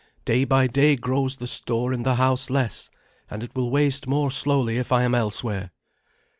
Day by day grows the store in the house less; and it will waste more slowly if I am elsewhere."